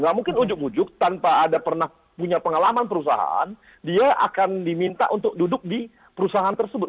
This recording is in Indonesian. nggak mungkin ujuk ujuk tanpa ada pernah punya pengalaman perusahaan dia akan diminta untuk duduk di perusahaan tersebut